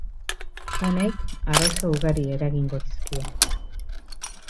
Honek arazo ugari eragingo dizkie.